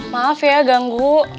maaf ya ganggu